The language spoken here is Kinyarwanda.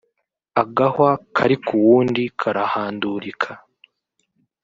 agahwa karikuwundi karahandurika.